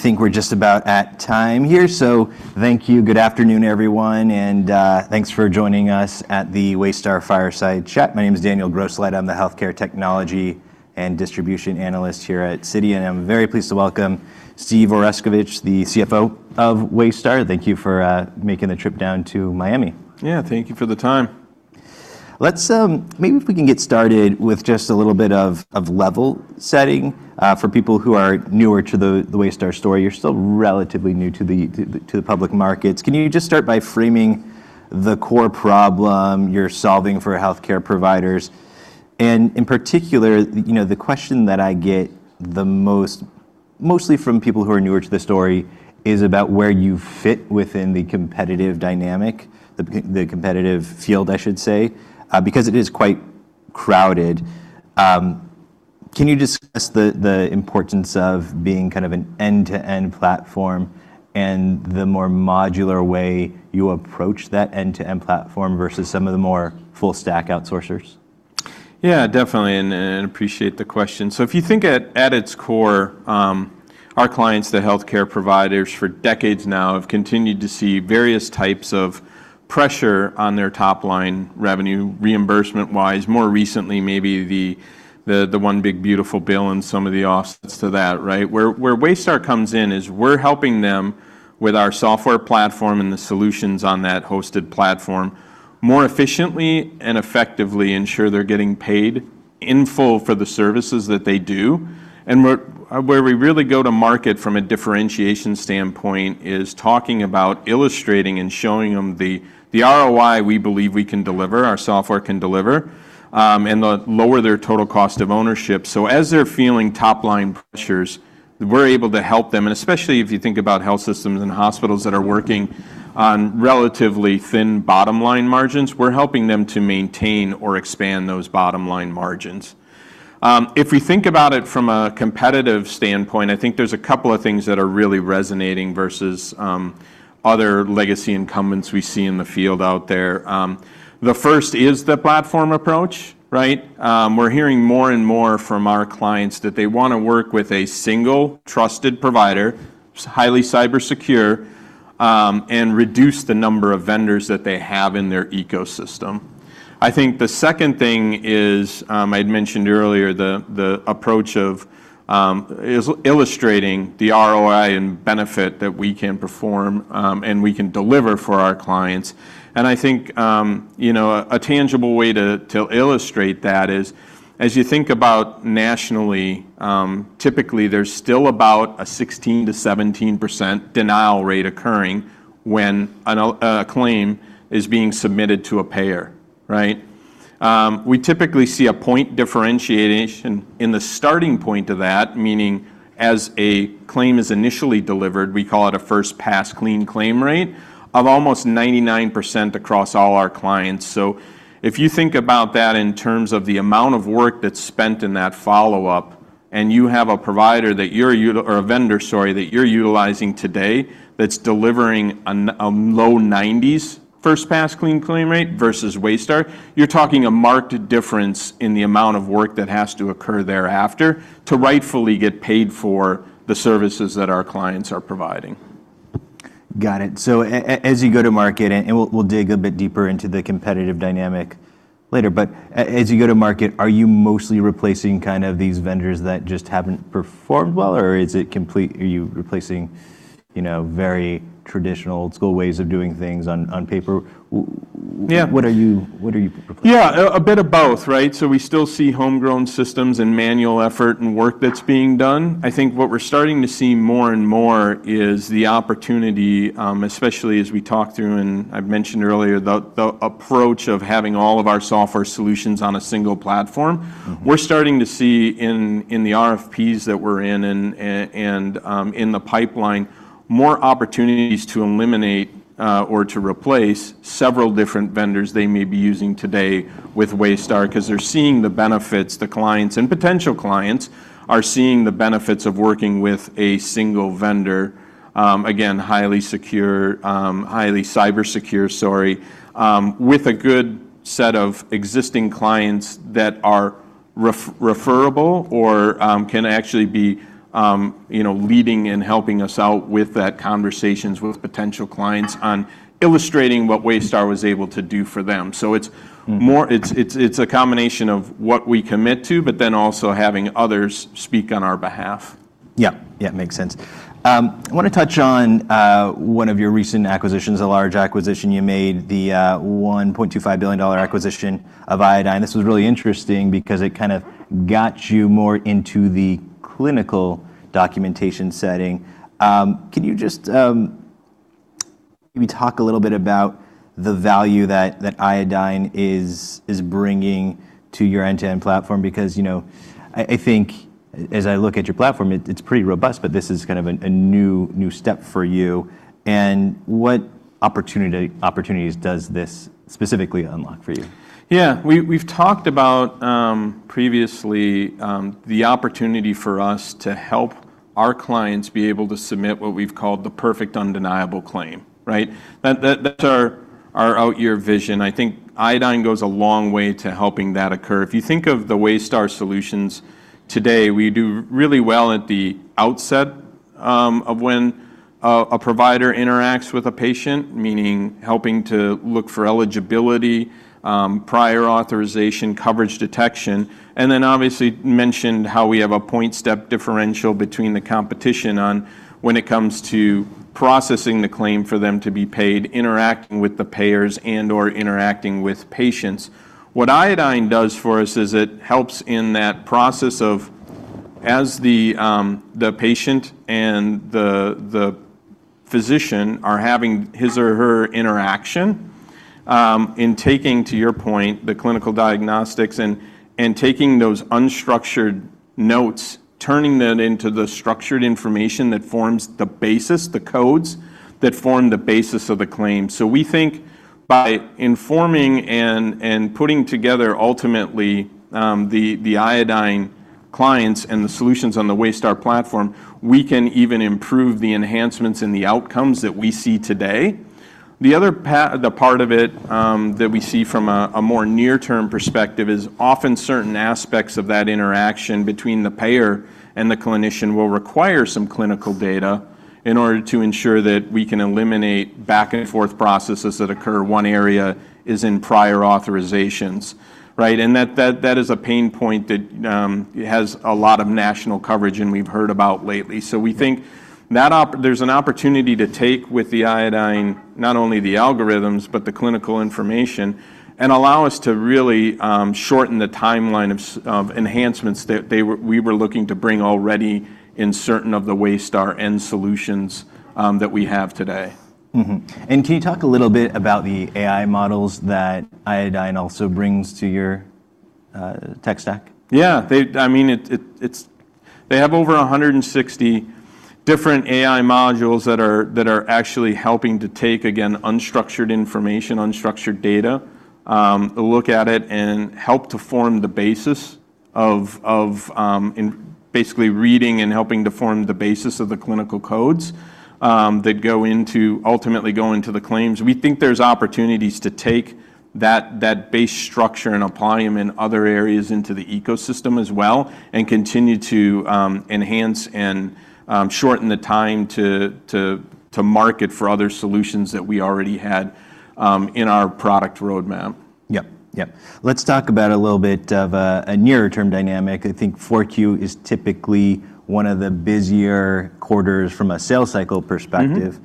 All right, I think we're just about at time here. So thank you. Good afternoon, everyone, and thanks for joining us at the Waystar fireside chat. My name is Daniel Grosslight. I'm the Healthcare Technology and Distribution Analyst here at Citi, and I'm very pleased to welcome Steve Oreskovich, the CFO of Waystar. Thank you for making the trip down to Miami. Yeah, thank you for the time. Let's maybe, if we can get started with just a little bit of level setting for people who are newer to the Waystar story. You're still relatively new to the public markets. Can you just start by framing the core problem you're solving for healthcare providers, and in particular, the question that I get the most, mostly from people who are newer to the story, is about where you fit within the competitive dynamic, the competitive field, I should say, because it is quite crowded. Can you discuss the importance of being kind of an end-to-end platform and the more modular way you approach that end-to-end platform versus some of the more full-stack outsourcers? Yeah, definitely, and I appreciate the question. So if you think at its core, our clients, the healthcare providers, for decades now have continued to see various types of pressure on their top-line revenue reimbursement-wise. More recently, maybe the one big beautiful bill and some of the offsets to that, right? Where Waystar comes in is we're helping them with our software platform and the solutions on that hosted platform more efficiently and effectively ensure they're getting paid in full for the services that they do. And where we really go to market from a differentiation standpoint is talking about illustrating and showing them the ROI we believe we can deliver, our software can deliver, and lower their total cost of ownership. So as they're feeling top-line pressures, we're able to help them. And especially if you think about health systems and hospitals that are working on relatively thin bottom-line margins, we're helping them to maintain or expand those bottom-line margins. If we think about it from a competitive standpoint, I think there's a couple of things that are really resonating versus other legacy incumbents we see in the field out there. The first is the platform approach, right? We're hearing more and more from our clients that they want to work with a single trusted provider, highly cybersecure, and reduce the number of vendors that they have in their ecosystem. I think the second thing is, I had mentioned earlier, the approach of illustrating the ROI and benefit that we can perform and we can deliver for our clients. I think a tangible way to illustrate that is, as you think about nationally, typically there's still about a 16%-17% denial rate occurring when a claim is being submitted to a payer, right? We typically see a point differentiation in the starting point of that, meaning as a claim is initially delivered, we call it a first pass clean claim rate of almost 99% across all our clients. So if you think about that in terms of the amount of work that's spent in that follow-up and you have a provider that you're or a vendor, sorry, that you're utilizing today that's delivering a low-90s% first pass clean claim rate versus Waystar, you're talking a marked difference in the amount of work that has to occur thereafter to rightfully get paid for the services that our clients are providing. Got it. So as you go to market, and we'll dig a bit deeper into the competitive dynamic later, but as you go to market, are you mostly replacing kind of these vendors that just haven't performed well, or is it completely, are you replacing very traditional old-school ways of doing things on paper? What are you replacing? Yeah, a bit of both, right? So we still see homegrown systems and manual effort and work that's being done. I think what we're starting to see more and more is the opportunity, especially as we talked through and I've mentioned earlier, the approach of having all of our software solutions on a single platform. We're starting to see in the RFPs that we're in and in the pipeline, more opportunities to eliminate or to replace several different vendors they may be using today with Waystar because they're seeing the benefits. The clients and potential clients are seeing the benefits of working with a single vendor, again, highly secure, highly cybersecure, sorry, with a good set of existing clients that are referable or can actually be leading and helping us out with that conversations with potential clients on illustrating what Waystar was able to do for them. So it's a combination of what we commit to, but then also having others speak on our behalf. Yeah, yeah, makes sense. I want to touch on one of your recent acquisitions, a large acquisition you made, the $1.25 billion acquisition of Iodine. This was really interesting because it kind of got you more into the clinical documentation setting. Can you just maybe talk a little bit about the value that Iodine is bringing to your end-to-end platform? Because I think as I look at your platform, it's pretty robust, but this is kind of a new step for you, and what opportunities does this specifically unlock for you? Yeah, we've talked about previously the opportunity for us to help our clients be able to submit what we've called the perfect undeniable claim, right? That's our out-year vision. I think Iodine goes a long way to helping that occur. If you think of the Waystar solutions today, we do really well at the outset of when a provider interacts with a patient, meaning helping to look for eligibility, prior authorization, coverage detection, and then obviously mentioned how we have a point step differential between the competition on when it comes to processing the claim for them to be paid, interacting with the payers, and/or interacting with patients. What Iodine does for us is it helps in that process of as the patient and the physician are having his or her interaction in taking, to your point, the clinical diagnostics and taking those unstructured notes, turning that into the structured information that forms the basis, the codes that form the basis of the claim. So we think by informing and putting together ultimately the Iodine clients and the solutions on the Waystar platform, we can even improve the enhancements and the outcomes that we see today. The other part of it that we see from a more near-term perspective is often certain aspects of that interaction between the payer and the clinician will require some clinical data in order to ensure that we can eliminate back-and-forth processes that occur. One area is in prior authorizations, right? That is a pain point that has a lot of national coverage and we've heard about lately. We think there's an opportunity to take with the Iodine, not only the algorithms, but the clinical information and allow us to really shorten the timeline of enhancements that we were looking to bring already in certain of the Waystar end solutions that we have today. Can you talk a little bit about the AI models that Iodine also brings to your tech stack? Yeah, I mean, they have over 160 different AI modules that are actually helping to take, again, unstructured information, unstructured data, look at it, and help to form the basis of basically reading and helping to form the basis of the clinical codes that ultimately go into the claims. We think there's opportunities to take that base structure and apply them in other areas into the ecosystem as well and continue to enhance and shorten the time to market for other solutions that we already had in our product roadmap. Yep, yep. Let's talk about a little bit of a near-term dynamic. I think Q4 is typically one of the busier quarters from a sales cycle perspective.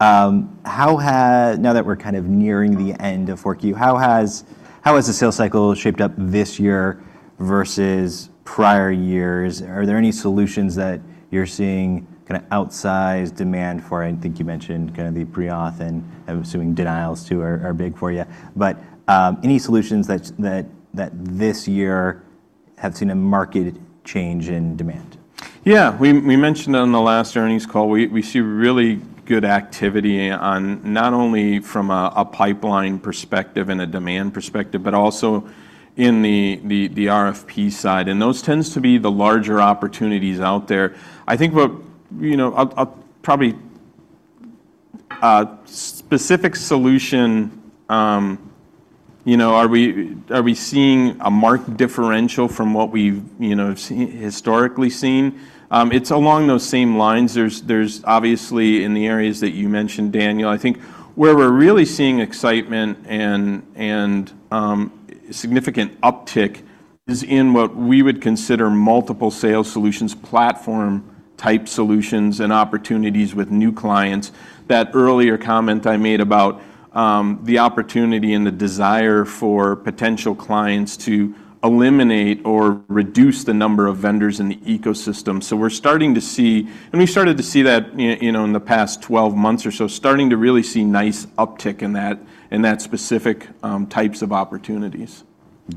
Now that we're kind of nearing the end of Q4, how has the sales cycle shaped up this year versus prior years? Are there any solutions that you're seeing kind of outsize demand for? I think you mentioned kind of the pre-auth and I'm assuming denials too are big for you. But any solutions that this year have seen a market change in demand? Yeah, we mentioned on the last earnings call, we see really good activity on not only from a pipeline perspective and a demand perspective, but also in the RFP side. And those tend to be the larger opportunities out there. I think, probably specific solution, are we seeing a marked differential from what we've historically seen? It's along those same lines. There's obviously, in the areas that you mentioned, Daniel, I think where we're really seeing excitement and significant uptick is in what we would consider multiple sales solutions, platform-type solutions and opportunities with new clients. That earlier comment I made about the opportunity and the desire for potential clients to eliminate or reduce the number of vendors in the ecosystem. We're starting to see, and we started to see that in the past 12 months or so, starting to really see nice uptick in that specific types of opportunities.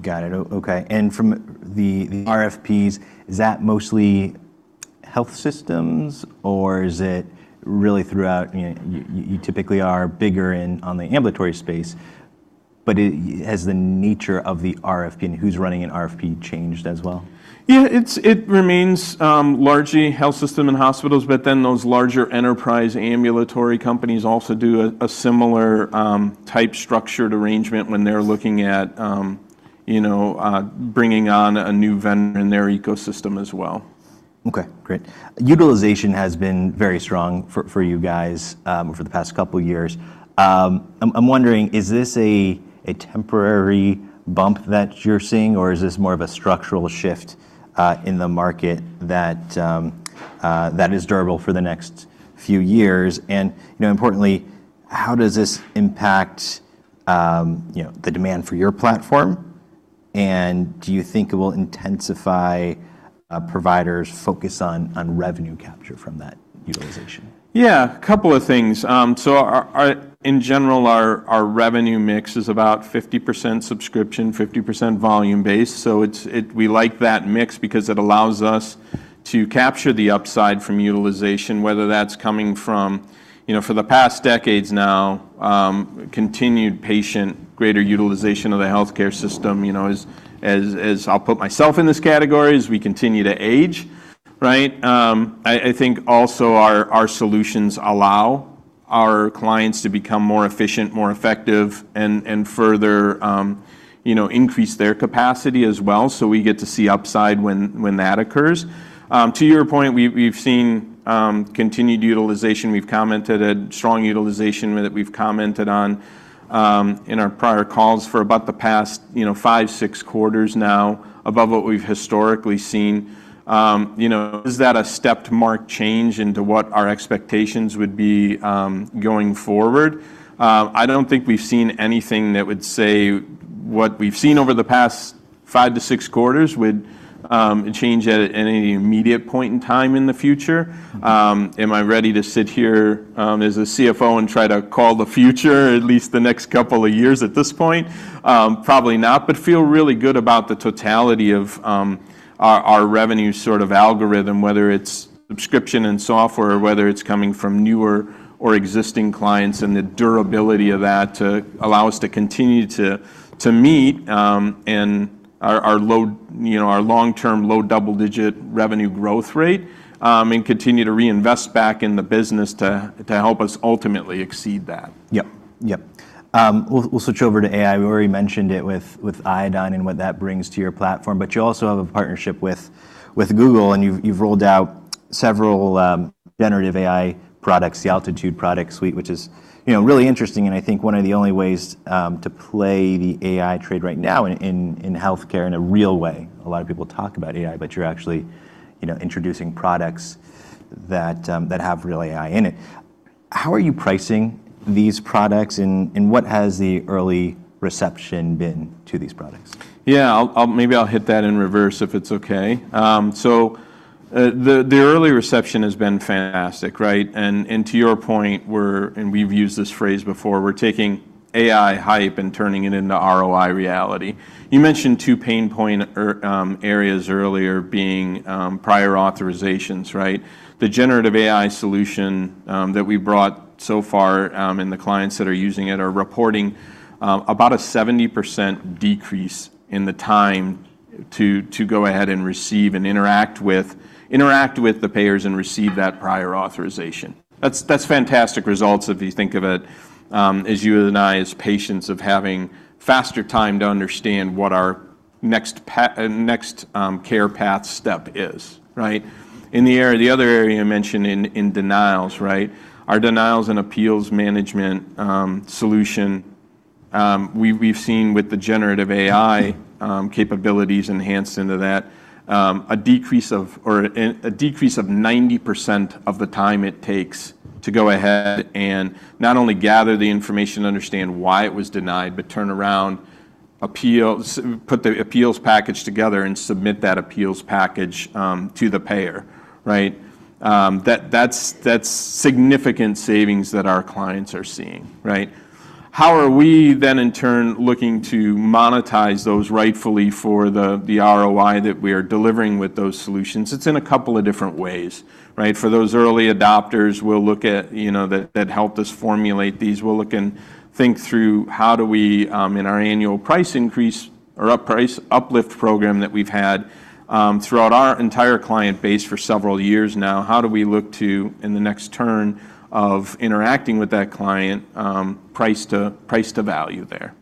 Got it. Okay. And from the RFPs, is that mostly health systems or is it really throughout? You typically are bigger on the ambulatory space, but has the nature of the RFP and who's running an RFP changed as well? Yeah, it remains largely health system and hospitals, but then those larger enterprise ambulatory companies also do a similar type structured arrangement when they're looking at bringing on a new vendor in their ecosystem as well. Okay, great. Utilization has been very strong for you guys for the past couple of years. I'm wondering, is this a temporary bump that you're seeing or is this more of a structural shift in the market that is durable for the next few years? And importantly, how does this impact the demand for your platform? And do you think it will intensify providers' focus on revenue capture from that utilization? Yeah, a couple of things. So in general, our revenue mix is about 50% subscription, 50% volume-based. So we like that mix because it allows us to capture the upside from utilization, whether that's coming from, for the past decades now, continued patient greater utilization of the healthcare system. I'll put myself in this category as we continue to age, right? I think also our solutions allow our clients to become more efficient, more effective, and further increase their capacity as well. So we get to see upside when that occurs. To your point, we've seen continued utilization. We've commented on strong utilization that we've commented on in our prior calls for about the past five, six quarters now, above what we've historically seen. Is that a step-function change to what our expectations would be going forward? I don't think we've seen anything that would say what we've seen over the past five to six quarters would change at any immediate point in time in the future. Am I ready to sit here as a CFO and try to call the future, at least the next couple of years at this point? Probably not, but feel really good about the totality of our revenue sort of algorithm, whether it's subscription and software or whether it's coming from newer or existing clients and the durability of that to allow us to continue to meet our long-term low double-digit revenue growth rate and continue to reinvest back in the business to help us ultimately exceed that. Yep, yep. We'll switch over to AI. We already mentioned it with Iodine and what that brings to your platform, but you also have a partnership with Google and you've rolled out several generative AI products, the Altitude product suite, which is really interesting, and I think one of the only ways to play the AI trade right now in healthcare in a real way. A lot of people talk about AI, but you're actually introducing products that have real AI in it. How are you pricing these products and what has the early reception been to these products? Yeah, maybe I'll hit that in reverse if it's okay. So the early reception has been fantastic, right? And to your point, and we've used this phrase before, we're taking AI hype and turning it into ROI reality. You mentioned two pain point areas earlier being prior authorizations, right? The generative AI solution that we brought so far and the clients that are using it are reporting about a 70% decrease in the time to go ahead and receive and interact with the payers and receive that prior authorization. That's fantastic results if you think of it as you and I as patients of having faster time to understand what our next care path step is, right? In the other area I mentioned in denials, right? Our denials and appeals management solution, we've seen with the generative AI capabilities enhanced into that, a decrease of 90% of the time it takes to go ahead and not only gather the information, understand why it was denied, but turn around, put the appeals package together and submit that appeals package to the payer, right? That's significant savings that our clients are seeing, right? How are we then in turn looking to monetize those rightfully for the ROI that we are delivering with those solutions? It's in a couple of different ways, right? For those early adopters, we'll look at that helped us formulate these. We'll look and think through how do we in our annual price increase or uplift program that we've had throughout our entire client base for several years now, how do we look to in the next turn of interacting with that client, price to value there?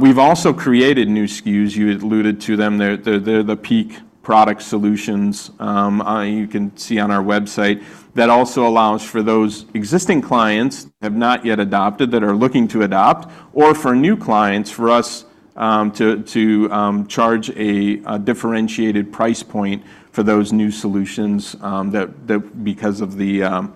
We've also created new SKUs, you alluded to them. They're the peak product solutions you can see on our website that also allows for those existing clients that have not yet adopted that are looking to adopt or for new clients for us to charge a differentiated price point for those new solutions because of the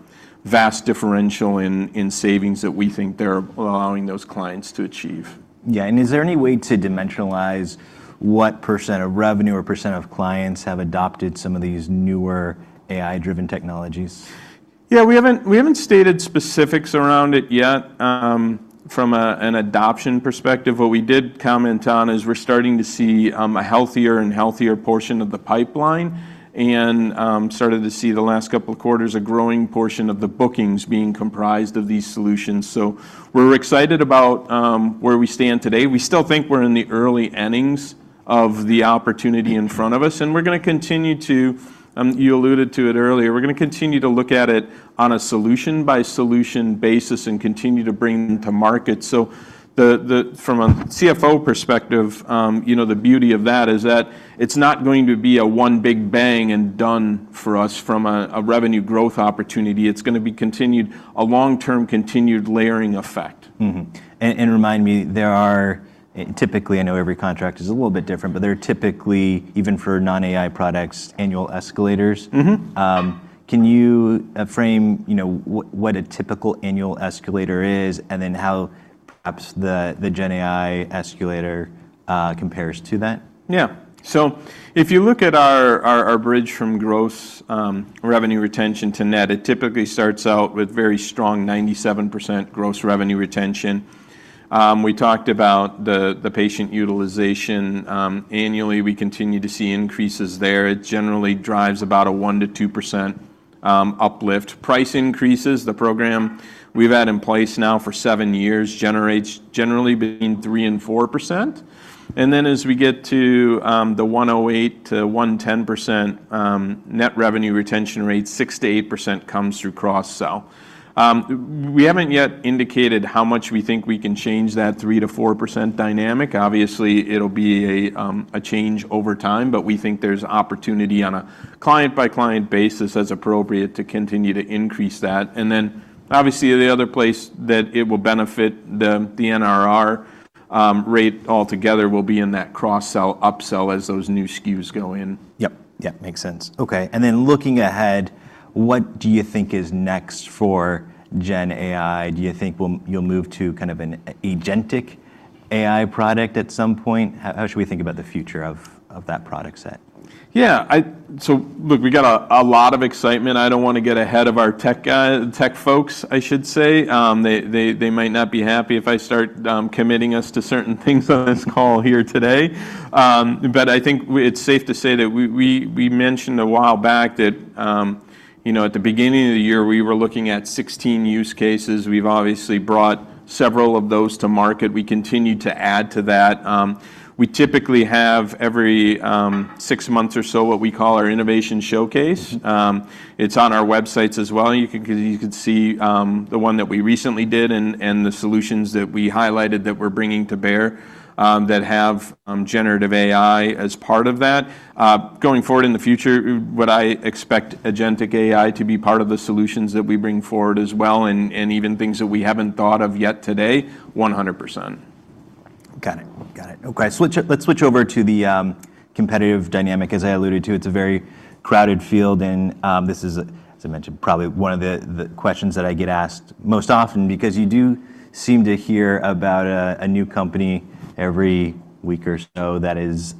vast differential in savings that we think they're allowing those clients to achieve. Yeah. And is there any way to dimensionalize what percent of revenue or percent of clients have adopted some of these newer AI-driven technologies? Yeah, we haven't stated specifics around it yet. From an adoption perspective, what we did comment on is we're starting to see a healthier and healthier portion of the pipeline and started to see the last couple of quarters a growing portion of the bookings being comprised of these solutions. So we're excited about where we stand today. We still think we're in the early innings of the opportunity in front of us and we're going to continue to, you alluded to it earlier, we're going to continue to look at it on a solution-by-solution basis and continue to bring them to market. So from a CFO perspective, the beauty of that is that it's not going to be a one big bang and done for us from a revenue growth opportunity. It's going to be a long-term continued layering effect. Remind me, there are typically, I know every contract is a little bit different, but there are typically, even for non-AI products, annual escalators. Can you frame what a typical annual escalator is and then how perhaps the GenAI escalator compares to that? Yeah. So if you look at our bridge from gross revenue retention to net, it typically starts out with very strong 97% gross revenue retention. We talked about the patient utilization. Annually, we continue to see increases there. It generally drives about a 1-2% uplift. Price increases, the program we've had in place now for seven years generally being 3-4%. And then as we get to the 108-110% net revenue retention rate, 6-8% comes through cross-sell. We haven't yet indicated how much we think we can change that 3-4% dynamic. Obviously, it'll be a change over time, but we think there's opportunity on a client-by-client basis as appropriate to continue to increase that. And then obviously the other place that it will benefit the NRR rate altogether will be in that cross-sell upsell as those new SKUs go in. Yep. Yeah, makes sense. Okay. And then looking ahead, what do you think is next for GenAI? Do you think you'll move to kind of an agentic AI product at some point? How should we think about the future of that product set? Yeah. So look, we got a lot of excitement. I don't want to get ahead of our tech folks, I should say. They might not be happy if I start committing us to certain things on this call here today. But I think it's safe to say that we mentioned a while back that at the beginning of the year, we were looking at 16 use cases. We've obviously brought several of those to market. We continue to add to that. We typically have every six months or so what we call our innovation showcase. It's on our websites as well. You can see the one that we recently did and the solutions that we highlighted that we're bringing to bear that have Generative AI as part of that. Going forward in the future, what I expect agentic AI to be part of the solutions that we bring forward as well, and even things that we haven't thought of yet today, 100%. Got it. Got it. Okay. Let's switch over to the competitive dynamic. As I alluded to, it's a very crowded field and this is, as I mentioned, probably one of the questions that I get asked most often because you do seem to hear about a new company every week or so that is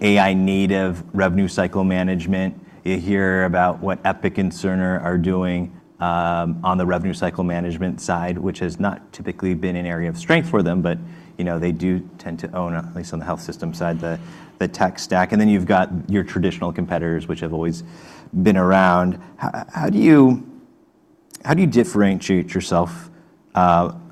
AI-native revenue cycle management. You hear about what Epic and Cerner are doing on the revenue cycle management side, which has not typically been an area of strength for them, but they do tend to own, at least on the health system side, the tech stack. And then you've got your traditional competitors, which have always been around. How do you differentiate yourself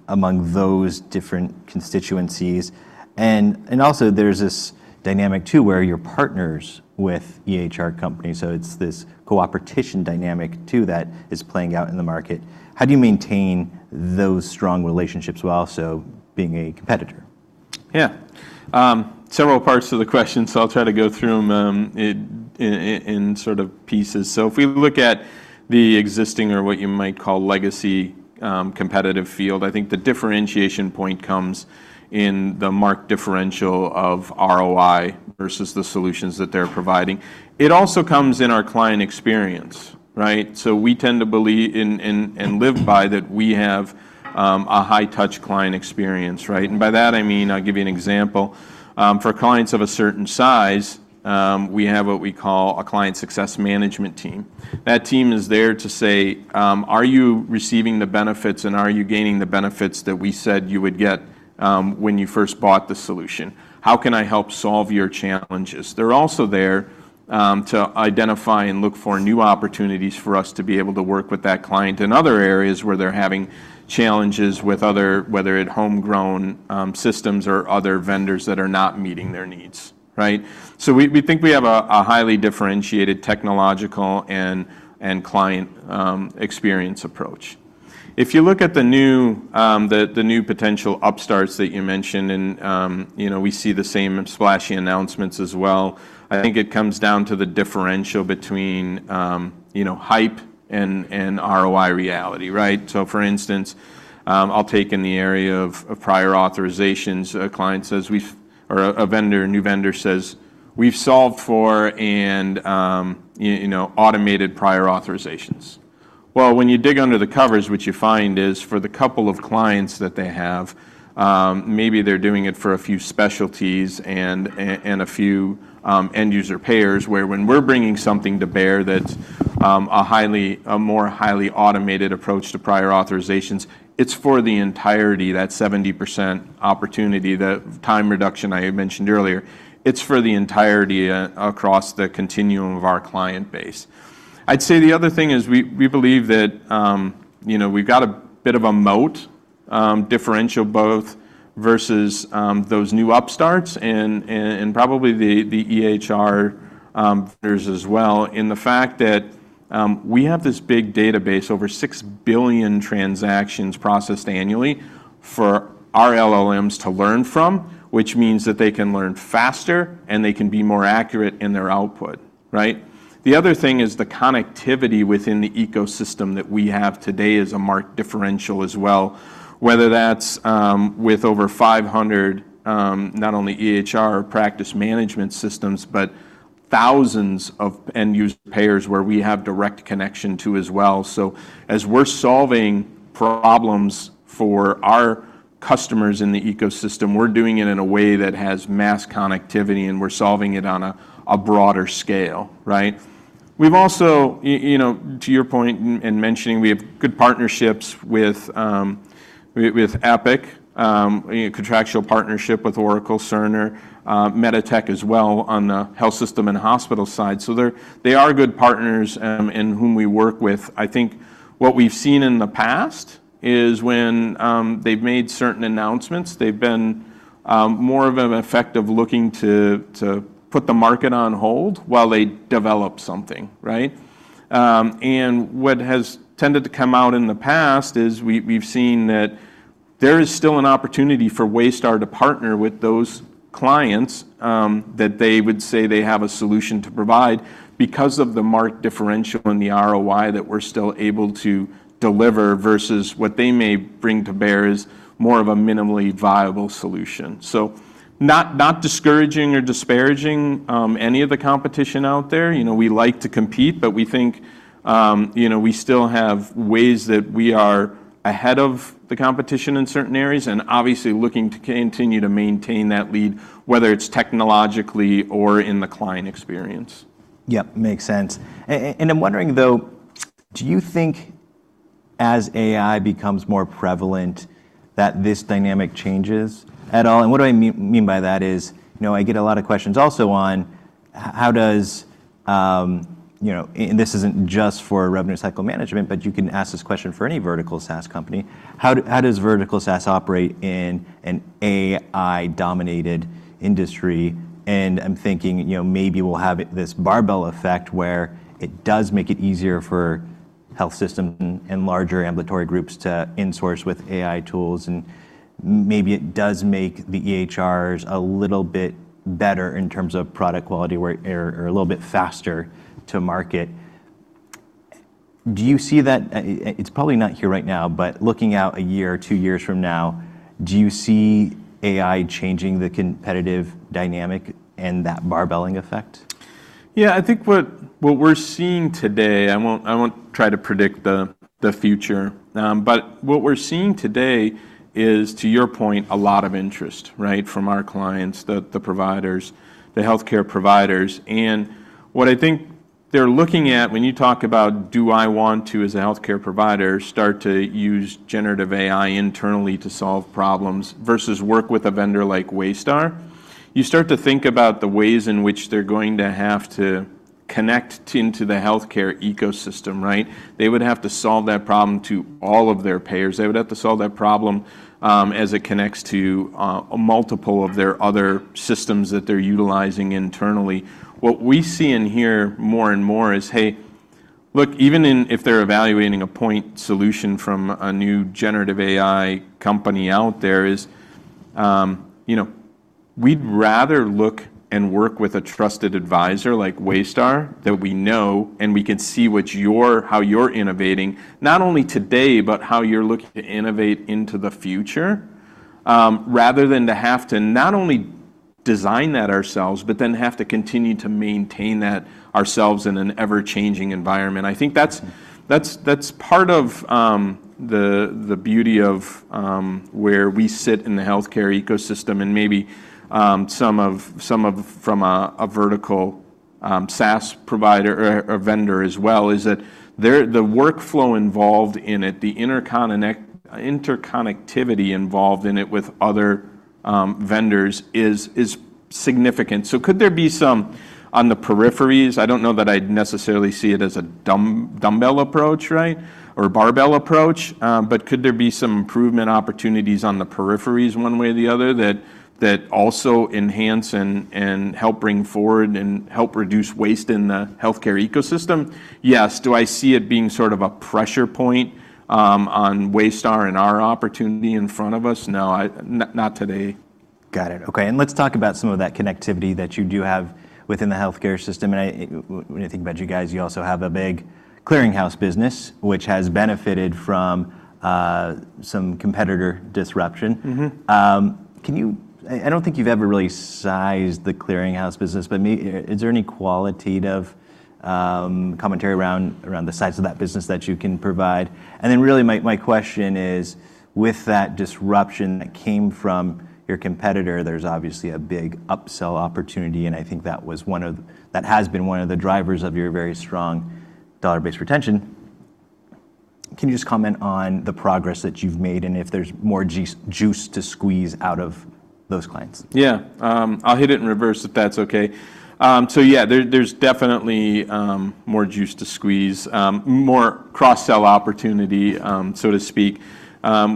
among those different constituencies? And also there's this dynamic too where you're partners with EHR companies. So it's this cooperation dynamic too that is playing out in the market. How do you maintain those strong relationships while also being a competitor? Yeah. Several parts of the question, so I'll try to go through them in sort of pieces. So if we look at the existing or what you might call legacy competitive field, I think the differentiation point comes in the marked differential of ROI versus the solutions that they're providing. It also comes in our client experience, right? So we tend to believe and live by that we have a high-touch client experience, right? And by that, I mean, I'll give you an example. For clients of a certain size, we have what we call a client success management team. That team is there to say, are you receiving the benefits and are you gaining the benefits that we said you would get when you first bought the solution? How can I help solve your challenges? They're also there to identify and look for new opportunities for us to be able to work with that client in other areas where they're having challenges with other, whether it's homegrown systems or other vendors that are not meeting their needs, right? So we think we have a highly differentiated technological and client experience approach. If you look at the new potential upstarts that you mentioned and we see the same splashy announcements as well, I think it comes down to the differential between hype and ROI reality, right? So for instance, I'll take in the area of prior authorizations. A client says we've, or a vendor, a new vendor says, we've solved for and automated prior authorizations. When you dig under the covers, what you find is for the couple of clients that they have, maybe they're doing it for a few specialties and a few end user payers where when we're bringing something to bear that's a more highly automated approach to prior authorizations, it's for the entirety, that 70% opportunity, that time reduction I had mentioned earlier. It's for the entirety across the continuum of our client base. I'd say the other thing is we believe that we've got a bit of a moat differential both versus those new upstarts and probably the EHR vendors as well in the fact that we have this big database, over 6 billion transactions processed annually for our LLMs to learn from, which means that they can learn faster and they can be more accurate in their output, right? The other thing is the connectivity within the ecosystem that we have today is a marked differential as well, whether that's with over 500 not only EHR practice management systems, but thousands of end user payers where we have direct connection to as well. So as we're solving problems for our customers in the ecosystem, we're doing it in a way that has mass connectivity and we're solving it on a broader scale, right? We've also, to your point and mentioning, we have good partnerships with Epic, a contractual partnership with Oracle, Cerner, Meditech as well on the health system and hospital side. So they are good partners in whom we work with. I think what we've seen in the past is when they've made certain announcements, they've been more of an effective looking to put the market on hold while they develop something, right? And what has tended to come out in the past is we've seen that there is still an opportunity for Waystar to partner with those clients that they would say they have a solution to provide because of the marked differential in the ROI that we're still able to deliver versus what they may bring to bear, is more of a minimally viable solution. So not discouraging or disparaging any of the competition out there. We like to compete, but we think we still have ways that we are ahead of the competition in certain areas and obviously looking to continue to maintain that lead, whether it's technologically or in the client experience. Yep. Makes sense. And I'm wondering though, do you think as AI becomes more prevalent that this dynamic changes at all? And what do I mean by that is I get a lot of questions also on how does, and this isn't just for revenue cycle management, but you can ask this question for any vertical SaaS company. How does vertical SaaS operate in an AI-dominated industry? And I'm thinking maybe we'll have this barbell effect where it does make it easier for health systems and larger ambulatory groups to insource with AI tools. And maybe it does make the EHRs a little bit better in terms of product quality or a little bit faster to market. Do you see that? It's probably not here right now, but looking out a year or two years from now, do you see AI changing the competitive dynamic and that barbell effect? Yeah. I think what we're seeing today, I won't try to predict the future, but what we're seeing today is, to your point, a lot of interest, right, from our clients, the providers, the healthcare providers, and what I think they're looking at when you talk about, do I want to, as a healthcare provider, start to use generative AI internally to solve problems versus work with a vendor like Waystar? You start to think about the ways in which they're going to have to connect into the healthcare ecosystem, right? They would have to solve that problem to all of their payers. They would have to solve that problem as it connects to multiple of their other systems that they're utilizing internally. What we see in here more and more is, hey, look, even if they're evaluating a point solution from a new generative AI company out there is we'd rather look and work with a trusted advisor like Waystar that we know and we can see how you're innovating not only today, but how you're looking to innovate into the future rather than to have to not only design that ourselves, but then have to continue to maintain that ourselves in an ever-changing environment. I think that's part of the beauty of where we sit in the healthcare ecosystem and maybe some of from a vertical SaaS provider or vendor as well is that the workflow involved in it, the interconnectivity involved in it with other vendors is significant. So could there be some on the peripheries? I don't know that I'd necessarily see it as a dumbbell approach, right, or barbell approach, but could there be some improvement opportunities on the peripheries one way or the other that also enhance and help bring forward and help reduce waste in the healthcare ecosystem? Yes. Do I see it being sort of a pressure point on Waystar and our opportunity in front of us? No, not today. Got it. Okay. And let's talk about some of that connectivity that you do have within the healthcare system. And when you think about you guys, you also have a big clearinghouse business, which has benefited from some competitor disruption. I don't think you've ever really sized the clearinghouse business, but is there any qualitative commentary around the size of that business that you can provide? And then really my question is, with that disruption that came from your competitor, there's obviously a big upsell opportunity. And I think that has been one of the drivers of your very strong dollar-based retention. Can you just comment on the progress that you've made and if there's more juice to squeeze out of those clients? Yeah. I'll hit it in reverse if that's okay. So yeah, there's definitely more juice to squeeze, more cross-sell opportunity, so to speak.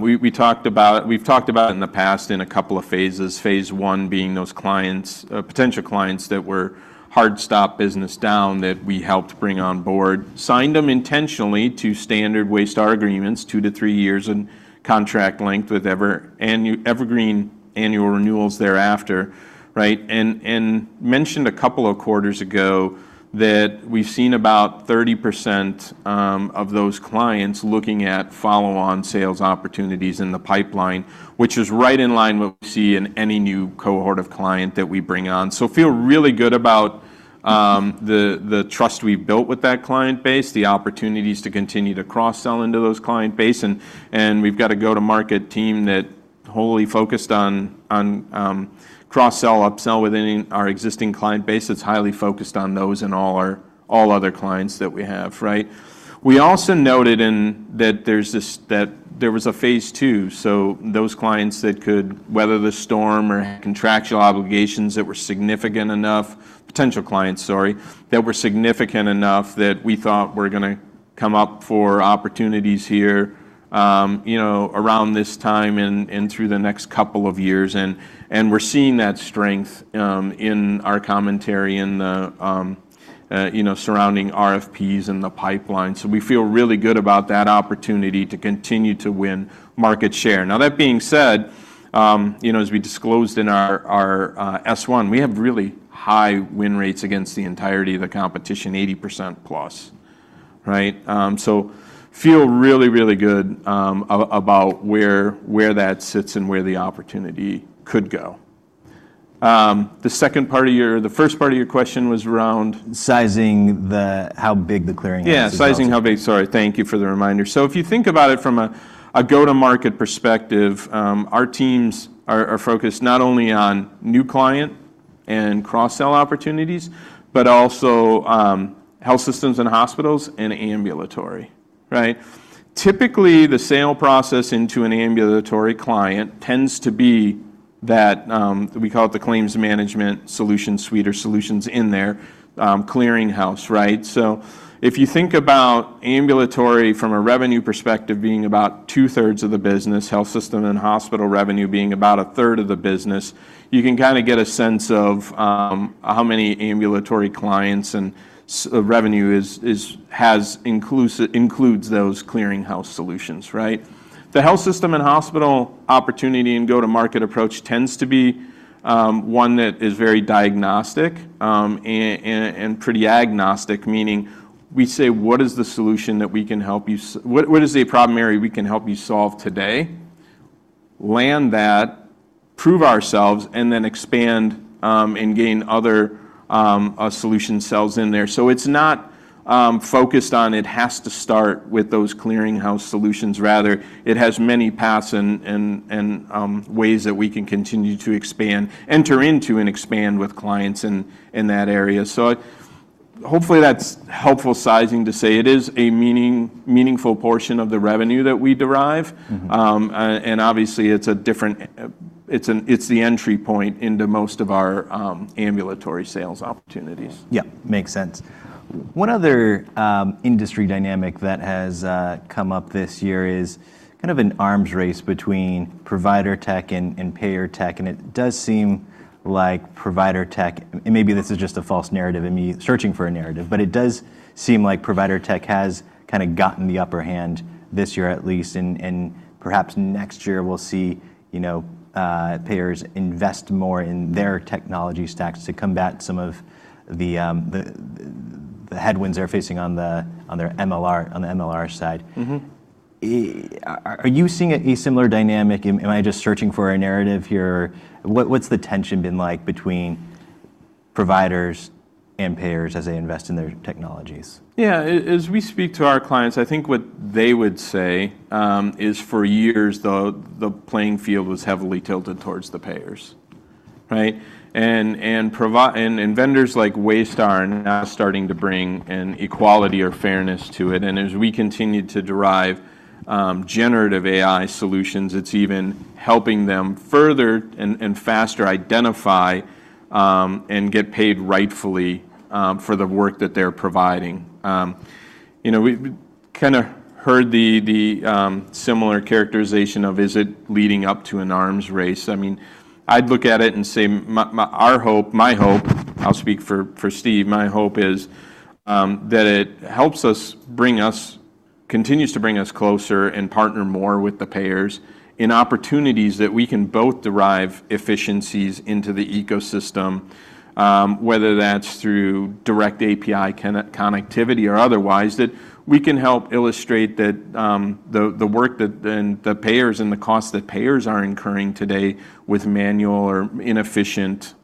We've talked about it in the past in a couple of phases. Phase one being those clients, potential clients that were hard stop business down that we helped bring on board. Signed them intentionally to standard Waystar agreements, two to three years in contract length with evergreen annual renewals thereafter, right? And mentioned a couple of quarters ago that we've seen about 30% of those clients looking at follow-on sales opportunities in the pipeline, which is right in line with what we see in any new cohort of client that we bring on. So feel really good about the trust we've built with that client base, the opportunities to continue to cross-sell into those client base. And we've got a go-to-market team that wholly focused on cross-sell, upsell within our existing client base that's highly focused on those and all other clients that we have, right? We also noted that there was a phase two. So those clients that could weather the storm or had contractual obligations that were significant enough, potential clients, sorry, that were significant enough that we thought were going to come up for opportunities here around this time and through the next couple of years. And we're seeing that strength in our commentary and the surrounding RFPs and the pipeline. So we feel really good about that opportunity to continue to win market share. Now, that being said, as we disclosed in our S-1, we have really high win rates against the entirety of the competition, 80% plus, right? Feel really, really good about where that sits and where the opportunity could go. The first part of your question was around. Sizing the, how big the clearinghouse is. Yeah. Sizing how big, sorry. Thank you for the reminder. So if you think about it from a go-to-market perspective, our teams are focused not only on new client and cross-sell opportunities, but also health systems and hospitals and ambulatory, right? Typically, the sale process into an ambulatory client tends to be that we call it the claims management solution suite or solutions in their clearinghouse, right? So if you think about ambulatory from a revenue perspective being about two-thirds of the business, health system and hospital revenue being about a third of the business, you can kind of get a sense of how many ambulatory clients and revenue includes those clearinghouse solutions, right? The health system and hospital opportunity and go-to-market approach tends to be one that is very diagnostic and pretty agnostic, meaning we say, what is the solution that we can help you? What is the problem area we can help you solve today? Land that, prove ourselves, and then expand and gain other solution sales in there. So it's not focused on it has to start with those clearinghouse solutions. Rather, it has many paths and ways that we can continue to expand, enter into and expand with clients in that area. So hopefully that's helpful sizing to say it is a meaningful portion of the revenue that we derive. And obviously, it's the entry point into most of our ambulatory sales opportunities. Yeah. Makes sense. One other industry dynamic that has come up this year is kind of an arms race between provider tech and payer tech. And it does seem like provider tech, and maybe this is just a false narrative and me searching for a narrative, but it does seem like provider tech has kind of gotten the upper hand this year at least. And perhaps next year we'll see payers invest more in their technology stacks to combat some of the headwinds they're facing on their MLR side. Are you seeing a similar dynamic? Am I just searching for a narrative here? What's the tension been like between providers and payers as they invest in their technologies? Yeah. As we speak to our clients, I think what they would say is for years the playing field was heavily tilted towards the payers, right? And vendors like Waystar are now starting to bring an equality or fairness to it. And as we continue to derive generative AI solutions, it's even helping them further and faster identify and get paid rightfully for the work that they're providing. We kind of heard the similar characterization of is it leading up to an arms race? I mean, I'd look at it and say my hope. I'll speak for Steve. My hope is that it helps us, continues to bring us closer and partner more with the payers in opportunities that we can both derive efficiencies into the ecosystem, whether that's through direct API connectivity or otherwise, that we can help illustrate that the work that the payers and the costs that payers are incurring today with manual or inefficient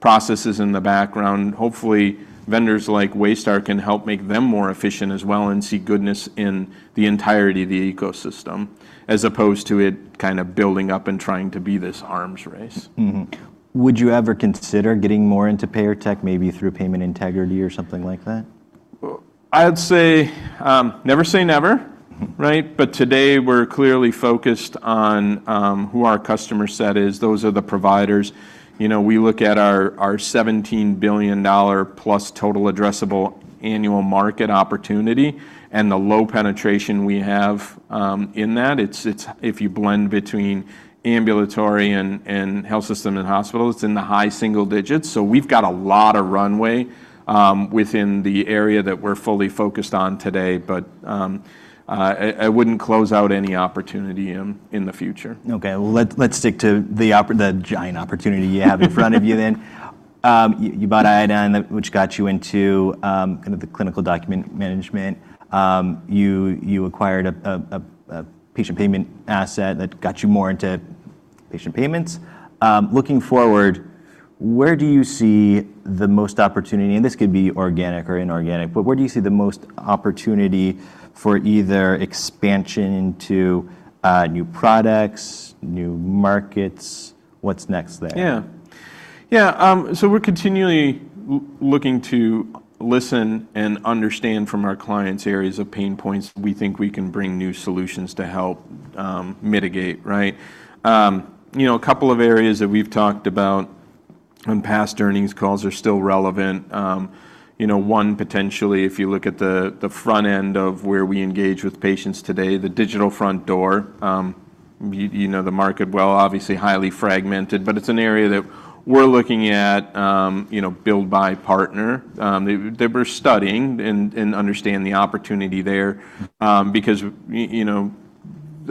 processes in the background. Hopefully vendors like Waystar can help make them more efficient as well and see goodness in the entirety of the ecosystem as opposed to it kind of building up and trying to be this arms race. Would you ever consider getting more into payer tech maybe through payment integrity or something like that? I'd say never say never, right? But today we're clearly focused on who our customer set is. Those are the providers. We look at our $17 billion plus total addressable annual market opportunity and the low penetration we have in that. If you blend between ambulatory and health system and hospitals, it's in the high single digits. So we've got a lot of runway within the area that we're fully focused on today, but I wouldn't close out any opportunity in the future. Okay. Let's stick to the giant opportunity you have in front of you then. You bought Iodine, which got you into kind of the clinical document management. You acquired a patient payment asset that got you more into patient payments. Looking forward, where do you see the most opportunity? This could be organic or inorganic, but where do you see the most opportunity for either expansion into new products, new markets? What's next there? Yeah. Yeah. So we're continually looking to listen and understand from our clients' areas of pain points. We think we can bring new solutions to help mitigate, right? A couple of areas that we've talked about in past earnings calls are still relevant. One, potentially, if you look at the front end of where we engage with patients today, the digital front door, the market, well, obviously highly fragmented, but it's an area that we're looking at build, buy, partner that we're studying and understand the opportunity there because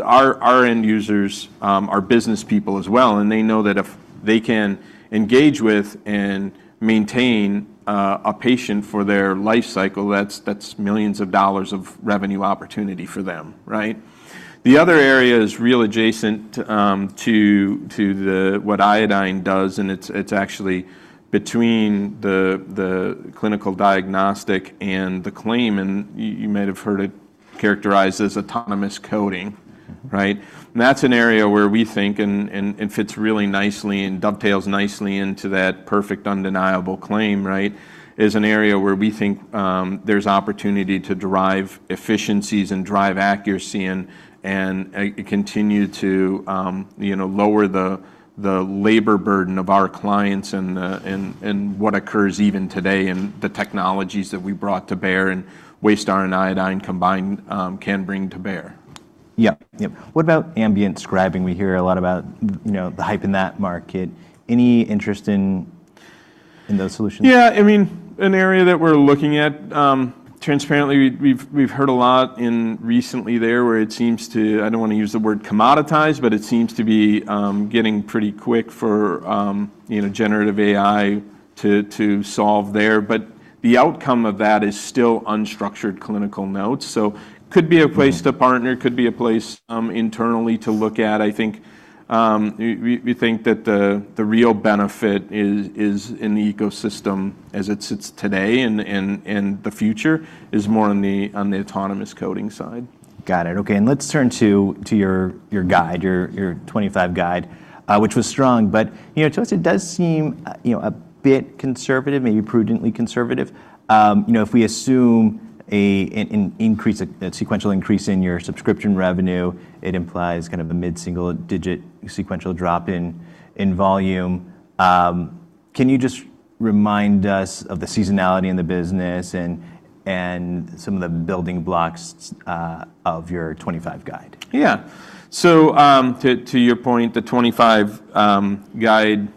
our end users, our business people as well, and they know that if they can engage with and maintain a patient for their life cycle, that's millions of dollars of revenue opportunity for them, right? The other area is really adjacent to what we do, and it's actually between the clinical documentation and the claim. You might have heard it characterized as autonomous coding, right? That's an area where we think it fits really nicely and dovetails nicely into that perfect, undeniable claim, right? It's an area where we think there's opportunity to derive efficiencies and drive accuracy and continue to lower the labor burden of our clients and what occurs even today, and the technologies that we brought to bear, and Waystar and Iodine combined can bring to bear. Yep. Yep. What about ambient scrubbing? We hear a lot about the hype in that market. Any interest in those solutions? Yeah. I mean, an area that we're looking at, transparently, we've heard a lot in recently there where it seems to, I don't want to use the word commoditize, but it seems to be getting pretty quick for generative AI to solve there. But the outcome of that is still unstructured clinical notes. So it could be a place to partner, could be a place internally to look at. I think we think that the real benefit is in the ecosystem as it sits today and the future is more on the autonomous coding side. Got it. Okay. And let's turn to your guide, your 2025 guide, which was strong, but to us, it does seem a bit conservative, maybe prudently conservative. If we assume an increase, a sequential increase in your subscription revenue, it implies kind of a mid-single digit sequential drop in volume. Can you just remind us of the seasonality in the business and some of the building blocks of your 2025 guide? Yeah. So to your point, the 2025 guide,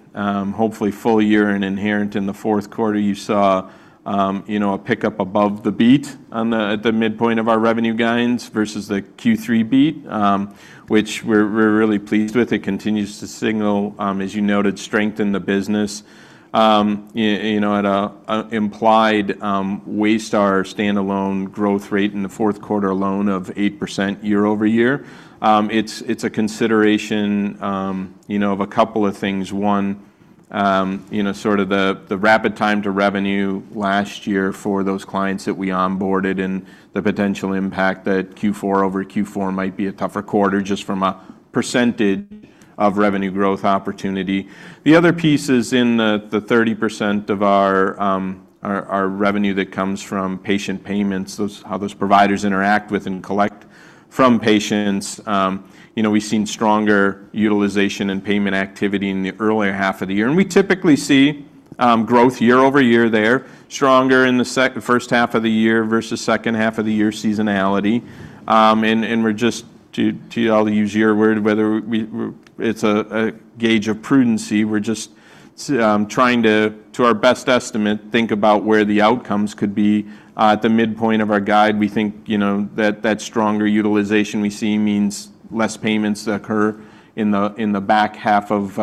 hopefully full year and inherent in the fourth quarter, you saw a pickup above the beat at the midpoint of our revenue guidance versus the Q3 beat, which we're really pleased with. It continues to signal, as you noted, strength in the business. It implied Waystar's standalone growth rate in the fourth quarter alone of 8% year over year. It's a consideration of a couple of things. One, sort of the rapid time to revenue last year for those clients that we onboarded and the potential impact that Q4 over Q4 might be a tougher quarter just from a percentage of revenue growth opportunity. The other piece is in the 30% of our revenue that comes from patient payments, how those providers interact with and collect from patients. We've seen stronger utilization and payment activity in the earlier half of the year. And we typically see growth year over year there, stronger in the first half of the year versus second half of the year seasonality. And we're just, to use your word, whether it's a gauge of prudence, we're just trying to, to our best estimate, think about where the outcomes could be. At the midpoint of our guide, we think that stronger utilization we see means less payments that occur in the back half of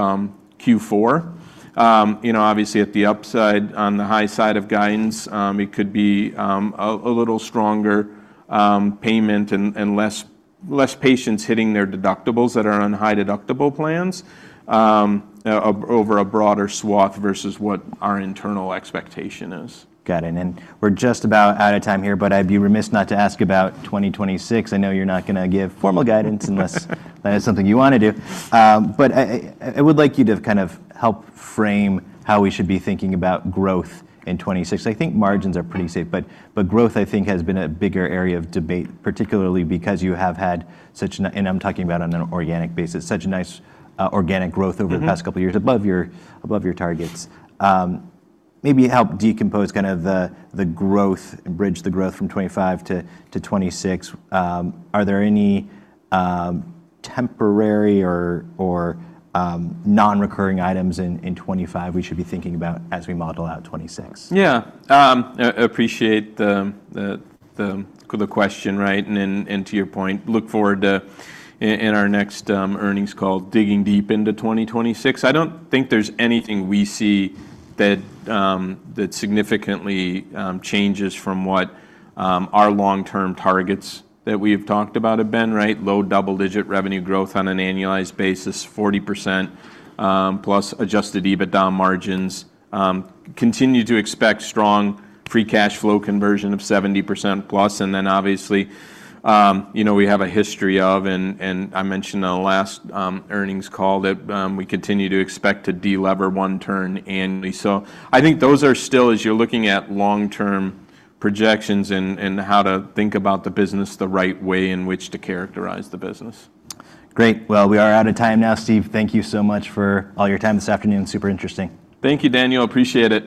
Q4. Obviously, at the upside on the high side of guidance, it could be a little stronger payment and less patients hitting their deductibles that are on high deductible plans over a broader swath versus what our internal expectation is. Got it. And we're just about out of time here, but I'd be remiss not to ask about 2026. I know you're not going to give formal guidance unless that is something you want to do. But I would like you to kind of help frame how we should be thinking about growth in 2026. I think margins are pretty safe, but growth I think has been a bigger area of debate, particularly because you have had such, and I'm talking about on an organic basis, such nice organic growth over the past couple of years above your targets. Maybe help decompose kind of the growth and bridge the growth from 2025 to 2026. Are there any temporary or non-recurring items in 2025 we should be thinking about as we model out 2026? Yeah. I appreciate the question, right? And to your point, look forward to in our next earnings call, digging deep into 2026. I don't think there's anything we see that significantly changes from what our long-term targets that we have talked about have been, right? Low double-digit revenue growth on an annualized basis, 40% plus Adjusted EBITDA margins. Continue to expect strong free cash flow conversion of 70% plus. And then obviously we have a history of, and I mentioned on the last earnings call that we continue to expect to delever one turn annually. So I think those are still, as you're looking at long-term projections and how to think about the business the right way in which to characterize the business. Great. Well, we are out of time now, Steve. Thank you so much for all your time this afternoon. Super interesting. Thank you, Daniel. Appreciate it.